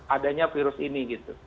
adanya virus ini gitu